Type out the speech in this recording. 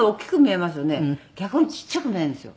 逆にちっちゃく見えるんですよ。